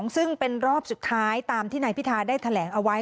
ซึ่งเป็นรอบสุดท้ายตามที่นายพิธาได้แถลงเอาไว้